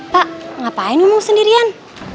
pak ngapain umum sendirian